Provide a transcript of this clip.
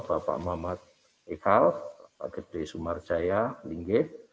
bapak muhammad ekhalf bapak gede sumarjaya lingge